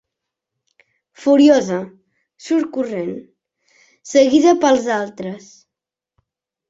Furiosa, surt corrent, seguida pels altres.